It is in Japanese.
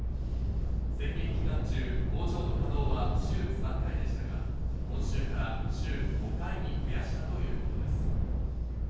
宣言期間中、工場の稼働は週３回でしたが、今週から週５回に増やしたということです。